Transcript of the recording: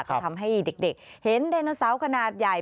ก็ทำให้เด็กเห็นไดโนเสาร์ขนาดใหญ่